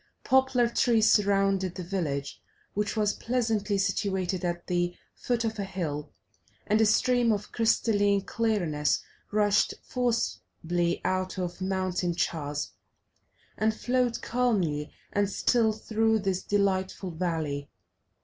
Poplar trees surrounded the village, which was pleasantly situated at the foot of a hill, and a stream of crystalline clearness rushed forcibly out of a mountain chasm, and flowed calmly and still through this delightful valley.